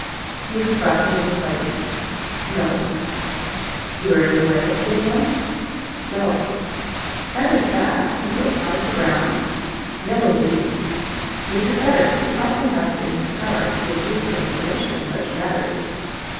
"You have got another place?" "No." "You are in the way of getting one?" "No." "That is bad; have you applied to Brown?" "No, indeed." "You had better; he often has it in his power to give useful information in such matters."